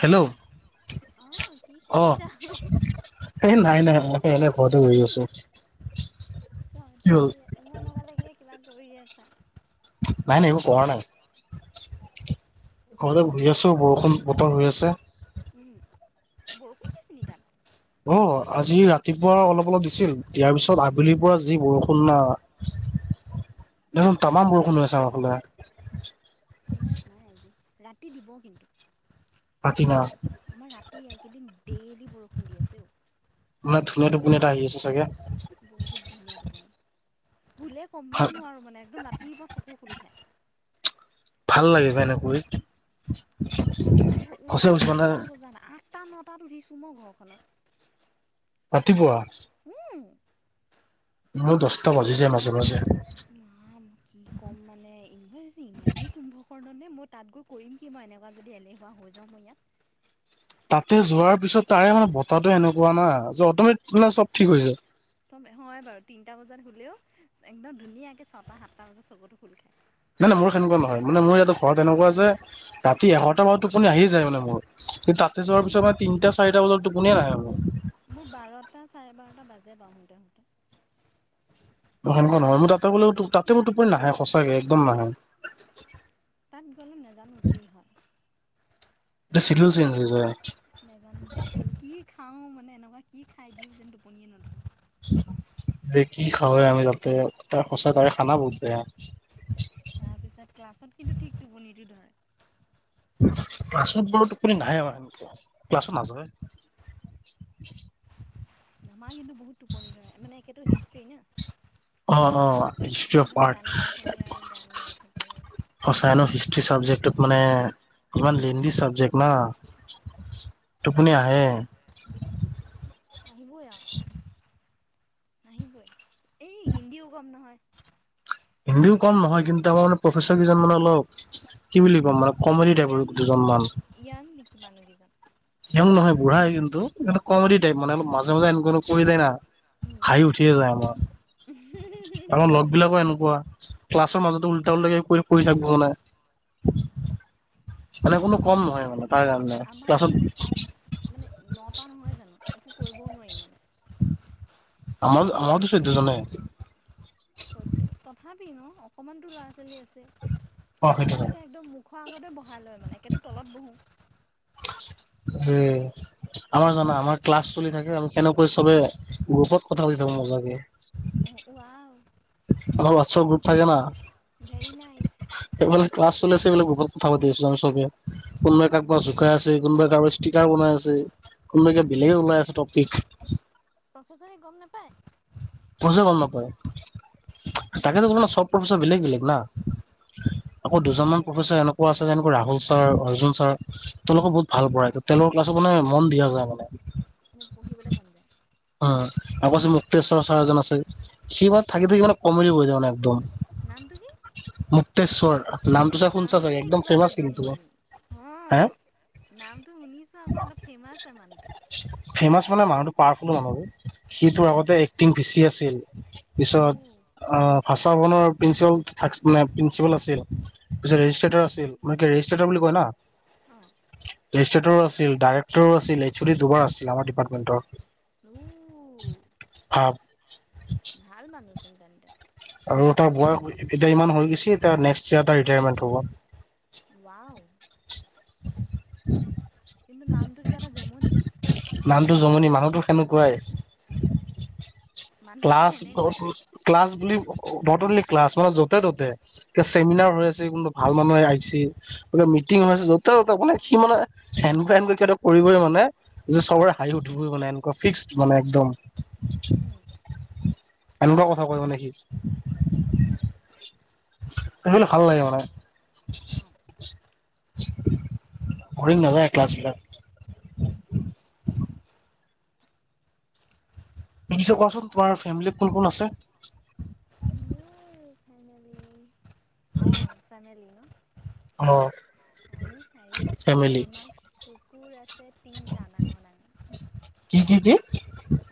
Hello, অ', অ', এ নাই, নাই এনে [unintelligible] তহতে বহি আছ এনেকুৱা থাকিলে কিবা কৰি আছে নাই, নাই একো কৰা নাই মোৰ [unintelligible] বৰষুণ বতৰ হৈ আছে। বৰষুণ কি চিনি তাত। অ', আজি ৰাতিপুৱা অলপ অলপ দিছিল দয়াৰ পিছত আবেলিৰ পৰা যি বৰষুণ। দোন তামান বৰষুণ আ চওঁ আপোনাৰ। ৰাতি দিব কিন্তু। পতি [unintelligible] আমাৰ ৰাতি একেদিন ডেইলি বৰষুণ দি আছেও মান ধুনীয়াটো ধুনীয়াটা আহ আছে চাগে। বহুত ধুনীয়া টোপনি শুলে কমেও নোৱাৰো মানে একদম ৰাতিৰপুৱা চকু শুল খাই। ভাল লাগিব এনেকৈ আকৌ উঠিছো কেইটা বজাত আঠটা নটাত উঠিছো মই ঘৰখনত ৰাতিপুৱা। উম। মোৰ দশটা বাজি যায় মাজে, মাজে। মই তাত গৈ কৰিম কি মই এনেকুৱা যদি এলেহুৱা হৈ যাওঁ মই ইয়াত তাতে যোৱাৰ পিছত তাৰে মানে বতাহটো এনেকুৱা না যে অটমেটিকলা চব ঠিক হৈ যায়। একম হয় বাৰু তিনিটা বজাত হলেও একদম ধুনীয়াকে ছটা সাতটা বজাত চকতো খুল খায়। নাই নাই মোৰ সেকুৱা নহয় মানে মোৰ ইয়াতে ঘৰত এনেকুৱা যে ৰাতি এঘাৰটা বজাত টোপুনি আহি যায় মানে মোৰ। তাতে যোৱাৰ পিছত মানে তিনটা চাৰিটা বজাত টোপনিয়ে নাহে মোৰ। মোৰ বাৰটা চাৰে বাৰটা বাজে বা আহোঁতে আহোঁতে সেনেকুৱা নহয় মই তাতে বোলে তাতে মোৰ টোপনি নাহে সঁচাকে একদম নাহে। তাত গ'লে নাজানো কি হয়? চিদুল চেঞজ হৈ যায় তেনেকুৱা কি খাই দিম যেন টোপনিয়ে নধৰে যে কি খাওঁ হয় আমি তাতেটা তাৰপিছত ক্লাছত কিন্তু ঠিক টোপনিটো ধৰে। ক্লাছত বাৰু টোপনি নাহে এনকে ক্লাছৰ মাজৰে আমাৰ কিন্তু বহুত টোপনি ধৰে মানে একো হিষ্টি না। একদম গান গাই থাকে আৰু গান গাই থাকে সঁচাই ন হিষ্ট্ৰী ছাবজেক্টটোত মানে ইমান লেদি চব্জেক্ট ন টোপনি আহে আহিবই আৰু আহিবই এই হিন্দীও কম নহয় হিন্দীও কম নহয় কিন্তু আমাৰ মানে প্ৰফেচৰ কেইজন মানে অলপ কি বুলি কম মানে য়াং নেকি য়াং নেকি মানুহকেইজন সিও নহয়, বুঢ়া হয় কিন্তু কমেডি টাইপ মানে মাজে মাজে এনেকুৱা [unintelligible] হাঁহি উঠিয়ে যায় মোৰ। আৰু লগ বিলাকো এনেকুৱা ক্লাছৰ মাজতে উল তেওঁলোকে পঢ়ি থাকিব না। মানে কোনো কম নহয় মানে তাৰ কাৰণে। তাৰপাছত চাম মানে নটা নহয় জানো, একো কৰিবও নোৱাৰি মানে। আমাৰ-আমাৰতো সেই দুজনে। চৈধ্য তথাপি ন, অকমান তো ল'ৰা-ছোৱালী আছে। আমা কেইটাই একদম মুখৰ আগতে বহাই লয় মানে, একেটো তলত বহো। উম। আমাৰ জানা, আমাৰ ক্লাছ চলি থাকে আমি কেনেকৈ চবে গ্ৰুপত কথা পাতি থাকো মজাকে। আমাৰ হোৱাটছপ গ্ৰুপ থাকে না। Very nice. এইফালে ক্লাছ চলি আছে এইফালে কথা পাতি আছো চবে কোনোবাই কাৰোবাক জুকাই আছে, কোনোবাই কাৰোবাক ষ্টিকাৰ বনাই আছে, কোনোবাই কিবা বেলেগ ওলাই আছে টপিক। প্ৰফেচাৰে গম [unintelligible] গম নাপায়, তাকেতো মানে চব প্ৰফেচৰ বেলেগ বেলেগ না। [inaudible] আকৌ দুজনমান প্ৰফেচাৰ এনেকুৱা আছে যেনেকৈ ৰাহুল ছাৰ, অৰ্জুন ছাৰ তেওঁলোকৰ বহুত ভাল পঢ়াইটো, তেওঁলোকৰ ক্লাছ মানে মন দিয়া যায় মানে। মানে পঢ়িবলে মন যায়। অ'। ছাৰ এজন আছে, সি মানে থাকি থাকি মানে কমেডী বনি যায় মানে একদম। তেশ্বৰ নামটোয়ে কিবা এটা জমনি হ [unintelligible] ফেমাচ মানে মানুহটো পাৰ্ হলো মানুহ সিটোৰ আগতে এক্টিং বেছি আছিল পিছত আহ ভাষা ভৱনৰ প্ৰিন্ঞ্চিপ থা মানে প্ৰিন্ঞ্চিপাল আছিল [unintelligible] ৰেজিষ্ট্ৰটাৰ আছিল মানে কি ৰেজিষ্ট্ৰেটাৰ বুলি কয় না জিষ্ট্ৰেটৰো আছিল ডাইৰেক্টৰো আছিল এই দুবাৰ আছিল আমাৰ ডিপাৰ্টমেণ্টৰ উ [inaudible] ভাল মানুহ চোন তেন্তে আৰু তাৰ বয়স এতিয়া ইমান হৈ গৈছে এতিয়া নেক্সট ইয়াৰ তাৰ ৰিটায়াৰমেণ্ট হ'ব [inaudible] কিন্তু নামটো কিবা এটা জমনি নামটো জমনি মানুহটো সেনেকুৱাই ক্লাছ ক্লাছ বুলি নট অনলি ক্লাছ মানে য'তে ত'তে কিবা চেমিনাৰ হৈ আছে কোনবা ভাল মানুহ আহিছে বো মিটিং হৈছে যতে ততে বোলে সি মানে সেনকুৱা সেনকৈ সিহঁত কৰিবই মানে যে চবৰে হাঁহি উঠিবই মানে এনেকুৱা ফিক্সড মানে একদম উম এনেকুৱা কথা কৈ মানে সি [unintelligible] ভাল লাগে মানে বৰিং নাজায় ক্লাছবিলাক দেখিছ কোৱাচোন তোমাৰ ফেমিলিত কোন কোন আছে মোৰ ফেমেলি অ ফেমেলি ন অ আমি চাৰিটা আৰু আমাৰ কুকুৰ আছে তিনটা ডাঙৰ ডাঙৰ কি কি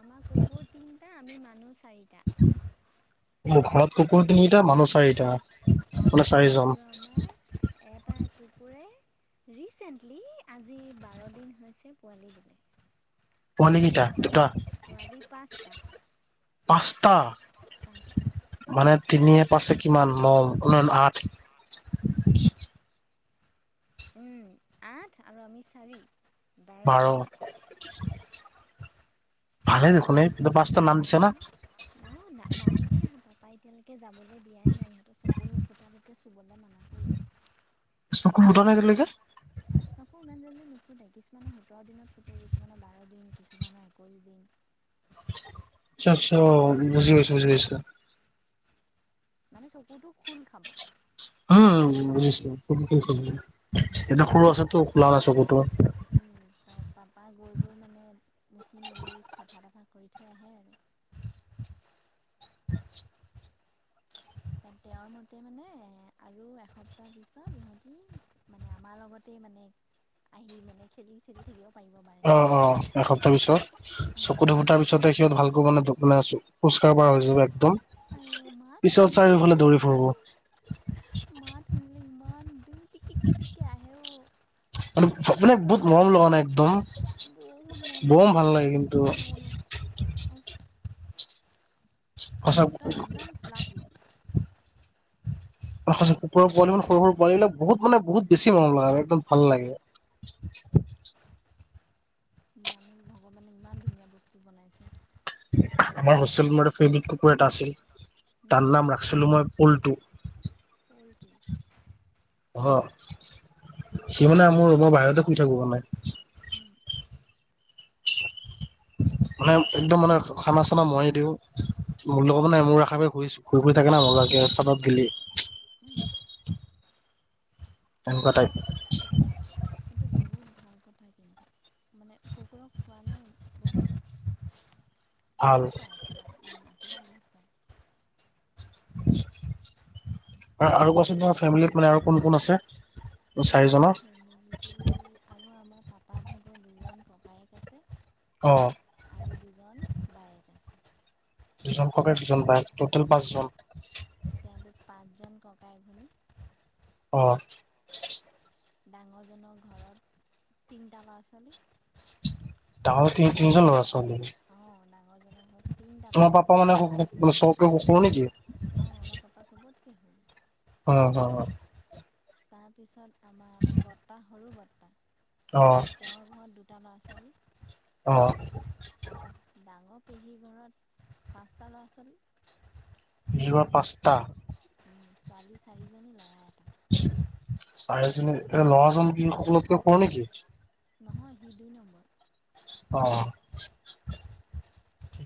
আমাৰ কুকুৰ তিনটা আমি মা ঘৰত ককুৰ তিনটা মানুহ চ অ আৰু আমাৰ এটা কুকুৰে ৰিচেণ্টলি আজি বাৰ দিন হৈছে পোৱালি দিলে পোৱালি কেইটা দুটা পাঁচটা মানে তিনিয়ে পাছে কিমান ন নই নই আঠ উম আঠ আৰু আমি চাৰি বাৰ ভালেই দেখোন এ ন নাই দিয়া পাপা এতিয়ালৈকে যাবলৈ দিয়াই নাই ইহঁতৰ চকু নুফুটালৈকে চুবলৈ মানা কৰিছে [inaudible] ফুটে কিছুমানৰ সোতৰ দিনত ফুটে কিছুমানৰ বাৰ দিন কিছুমানৰ একৈশ দিন আচ্ছা আচ্ছা অ বুজি পাইছো বুজি পাইছো মানে চকুটো খোল খাব উম বুজিছ এ সৰু আছে টো খোলা নাই চকুতো উম ত পাপা গৈ গৈ মানে মচি মেলি চাফা তাফা কৰি থৈ আহে আৰু উ তাত তেওঁৰ মতে মানে আৰু এসপ্তাহ পিছত ইহঁতি মানে আমাৰ লগতে মানে আহি মানে খেলি চেলি থাকিব অ অ এসপ্তাহ পিছত চকু টো ফুতাৰ পিছতে সিহঁত ভালকৈ মানে [unintelligible] আছো খুচকাঢ পৰা হৈ হৈছে একদম পিছত চাৰিওফালে দৌৰি ফুৰিব ম মানে বহুত মৰম লগা না একদম বহুত মৰম লগা একদম অকণমানি উফ আৰু দুটা একদম কোলা কোলা কুকুৰৰ পোৱালি মান সৰু সৰু পোৱালি বিলাক বহুত মানে বহুত বেছি মৰম লগা আৰু একদম ভাল লাগে জানো ভগৱানে ইমান ধুনীয়া বস্তু বনাইছে [unintelligible] ফেভ্ৰেট কুকুৰ এটা আছিল। তাৰ নাম ৰাখছিলো মই পলটু। [inaudible] অ, সি মানে মোৰ ৰুমৰ বাহিৰতে শুই থাকে মানে। মানে একদম মানে খানা চানা ময়ে দিও। মোৰ লগত মানে মোৰ আশে পাশে ঘূৰি ঘূৰি ফুৰি থাকে না কবাত গেলি। উম। তেনেকুৱা টাইপ। সেইটো বহুত ভাল কথা কিন্তু, মানে কুকুৰক খোৱালে বহুত বহুত পায় আশীৰ্বাদ উম আশীৰ্বাদ বহুত পায়। অ, আৰু কোৱাচোন তোমাৰ ফেমিলিত মানে আৰু কোন কোন আছে। আমাৰ ফেমিলিতো আৰু আমাৰ পাপা ভাগৰ দুজন ককায়েক আছে। আৰু দুজন বায়েক আছে। দুজন ককায়েক দুজন বায়েক টুটেল পাঁচজন। জন ককাই ভনী। অ'। ডাঙৰজনৰ ঘৰত তিনিটা ল'ৰা ছোৱালী। ডাঙৰ তিনি তিনিজন ল'ৰা ছোৱালী। [unintelligible] [unintelligible] [unintelligible] অ, হ, হ। তাৰপিছত আমাৰ বৰটা, সৰু বৰটা তেওঁৰ ঘৰত দুটা ল'ৰা-ছো ছোৱালী অ'। পেহী ঘৰত পাঁচটা ল'ৰা ছোৱালী। নিৰোৱা পাঁচটা। উম, ছোৱালী চাৰিজনী লাগ চাৰীজনী, এ ল'ৰাজন কি সকলোতকে সৰু নেকি? নহয় সি দুই নম্বৰ। অ'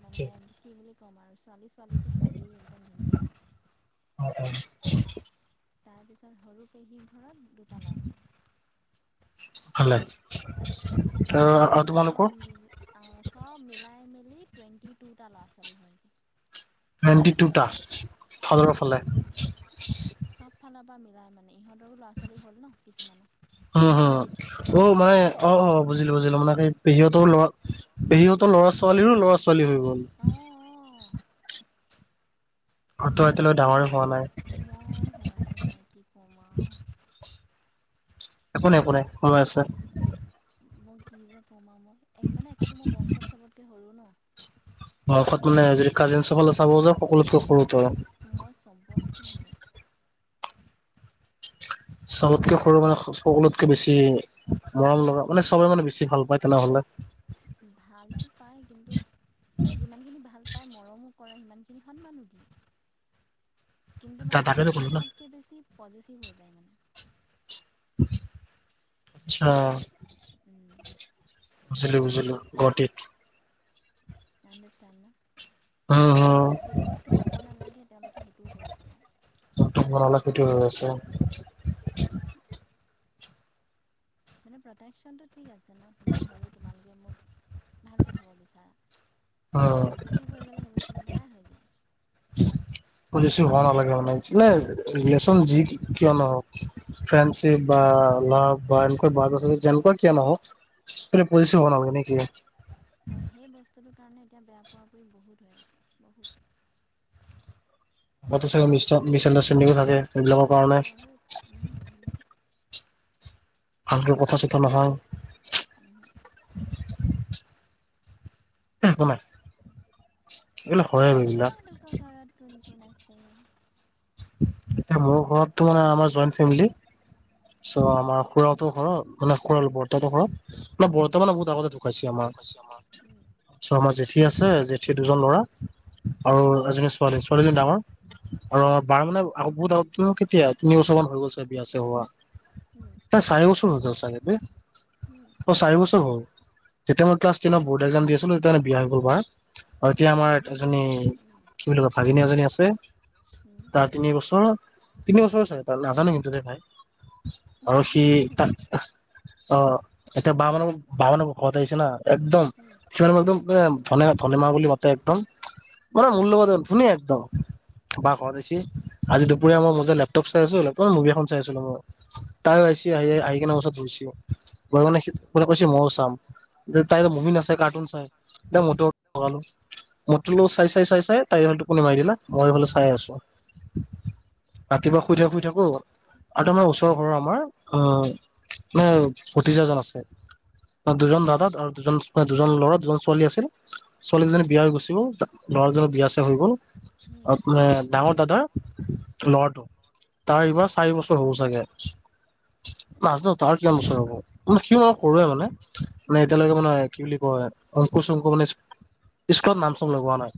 মানে কি বুলি ক'ম আৰু ছোৱালী ছোৱালীকে ছোৱালী একদম ধুনীয়া আৰু। হয়। তাৰ পিছত সৰু পেহী ঘৰত দুটা ল'ৰা ছোৱালী। ভালে। টুটেল চব মিল চব মিলাই মিলি টুৱেণ্টি টু টা ল'ৰা ছোৱালী হয়। টুৱেণ্টি টুটা, ভালে ভালে। অ', হ, হ, অ', মই অ অ বুজিলো বুজিলো মানে কি পেহীহঁতৰ ল'ৰা, পেহীহঁতৰ ল'ৰা ছোৱালীৰো ল'ৰা ছোৱালী হৈ গ'ল। তাকো ইহঁতৰ মই হোৱাই নাইকি কম আৰু। একো নাই একো নাই সময় আছে। মই কি যে কম আৰু মই মানে একেতো মই বংশত চবতকে সৰু ন। বয়সত মানে যদি কাজিনচসকলে চাব যাও সকলোতকে সৰু। মই চবতকে সৰু। [inaudible] চবতকে সৰু মানে সকলোতকে বেছি মৰম লগা মানে চবে মানে বেছি ভাল পায় তেনেহ'লে। ভালতো পাই কিন্তু, এ যিমান খিনি ভাল পায় মৰমো কৰে সিমানখিনি সন্মান দি, কিন্তু মানে প্ৰতেকচনতকে বেছি পজিচিভ হৈ যায় মানে আচছা। উম। বুজিলো বুজিলো গট ইট। আণ্ডাৰষ্টেন না যিটো বস্তু হ'ব নালাগে তেওঁলোকে সেইটোও কৰি পেলায়। সেটো হৈ আছে। প্ৰটেকচন টো ঠিক আছে ন মই সৰু তোমালোকে মোক ভালকে থ'ব বিচাৰা কিন্তু পজিটিভ হৈ গ'লে সেই বস্তুটো বেয়া হৈ যায়। পুলিচ ভয় নকৰিব মানে লেছন যি কিয় নহওক। কিয় নহব? ফ্ৰেডিপ বা লাভ বা এনেকুৱা ব যেনেকুৱা কিয় নহও পজিচ হব নালাগে নি জে। আৰু সেই বস্তুটোৰ কাৰণে এতিয়া বেয়া পোৱা পুই বহুত হৈ আছে বহুত। হয় টো চাগে মিছ অনদাৰ ষ্টেণ্ডিং ও থাকে। বহুত উম বহুত বেছি। ভালক কথচিতন নহয়। উম। এ একো নাই। এগিলা হয় আৰু এগিলা। কোন আছে? এ মোৰ ঘৰতটো মানে আমাৰ জইন ফেমিলি চ' আমাৰ খুৰাতো ঘৰত- মানে শৰল বৰ্তটো খল মানে বৰ্তমানে বহুত আগতে ঢুকাইছে আমাৰ চাজ জেঠি আছে জেঠি দুজন ল'ৰা আৰু এজনী ছোৱালী, ছোৱালীজনী ডাঙৰ আৰু মানে বুত তুমো কেতিয়া তিন বছৰমান হৈ গ'লছ বিয়া আছে হোৱা। নাই চাৰি বছৰ হৈ গল চাগে দে অ চাৰি বছৰ হ'ল। যেতিয়া মই ক্লছ টেনৰ বড একজাম দি আছিলো তেতিয়া মে বিয়া হৈ গল বা। আৰু এতিয়া আমাৰ এজনী কি বুলি কয় ভাগিনী এজনী আছে। তাৰ তিনি বছৰ তিনি বছৰ চ তাৰ নাজানো কিন্তু দে ভাই। আৰু সি তা অ এতিয়া বা মানহ বা মানহ ঘৰত আহিছে না একদম সি ম একদম এ ধনে ধনেমা বুলি মতে একদম মানে মূল্যবোধন ধনীয়া একদম বা ঘৰত আইছে। আজি দুপৰীয়া মই মত লেপটপ চাই আছো লেপটপ মুভি এখন চাই আছিলো মই। তাই আহিছে আহ আহি কিনে ওচৰত ধইছ গৈে কো কৈছে ময়ও চাম। তাই যে মুভি নাচায় কাৰ্টুনছ চাই তেওঁ মুডটো সলালো। মোৰ তো চাই চাই চাই চাই তাই ভাল টো কোনে মাৰি দিলা মইফালে চাই আছো। ৰাতিপুৱা শুই থাক শুই থাকো আৰু তোমাৰ ওচৰৰ ঘৰৰ আমাৰ আহ। অ ভতিজা এজন আছে। দুজন দাদাত আৰু দুজন দুজন ল'ৰা দুজন ছোৱালী আছিল ছোৱালী দুজনী বিয়া হৈ গুচি গ'ল। ল'ৰা জনও বিয়া চিয়া হৈ গ'ল আৰু মানে ডাঙৰ দাদাৰ ল'ৰাটো তাৰ এইবাৰ চাৰি বছৰ হ'ব চাগে। নাজানো তাৰ কিমান বছৰ হব? মানে সি মানে সৰুৱে মানে মানে এতিয়ালৈকে মানে কি বুলি কয় হয় অংকু শংকু মানে স্কুলত নাম চাম লগোৱা নাই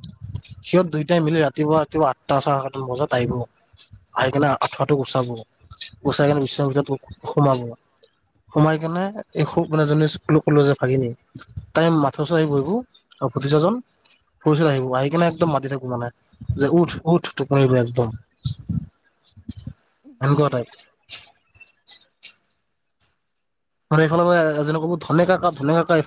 সিহঁত দুইটাই মিলি ৰাতিপুৱা ৰাতিুৱা আঠটা চ মজাত আহিব আহি কিনে আঁঠুৱাটো গুচাব গুচাই কিনে বিচনা সোমাব। সোমাই কেনে এই সৰু ছোৱালী জনী ভাগিনী তাই মাথা ওচৰত আহি বহিব। আৰু ভতিজা জন মোৰ ওচৰত আহিব আৰু আহি কিনে একদম মাতি থাকিব মানে যে উঠ উঠ- একদম এনেুৱাটাইপ। [unintelligible] আৰু এইফাল মই এনে ক'ব ধনে কাকা ধনে কাকা